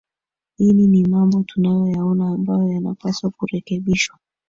ini ni mambo tunayo yaona ambayo yanapaswa kurekebishwa